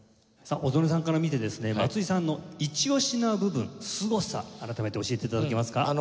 小曽根さんから見てですね松井さんのイチオシな部分すごさ改めて教えて頂けますか？